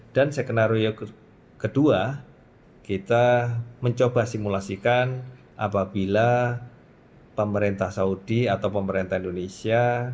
dan skenario kedua kita mencoba simulasikan apabila pemerintah saudi atau pemerintah indonesia